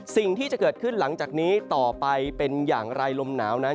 สิ่งที่จะเกิดขึ้นหลังจากนี้ต่อไปเป็นอย่างไรลมหนาวนั้น